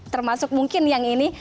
termasuk mungkin yang ini